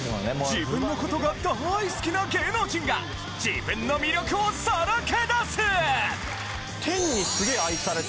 自分の事が大好きな芸能人が自分の魅力をさらけ出す！